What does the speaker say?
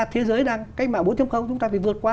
thế giới đang cách mạng bốn chúng ta phải vượt qua